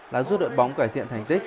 là giúp đội bóng cải thiện thành tích